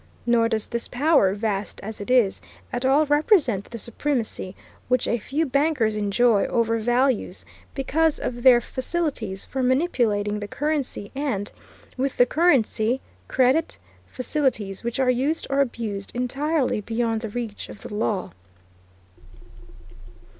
Nor does this power, vast as it is, at all represent the supremacy which a few bankers enjoy over values, because of their facilities for manipulating the currency and, with the currency, credit; facilities, which are used or abused entirely beyond the reach of the law.